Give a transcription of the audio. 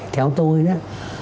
theo tôi đó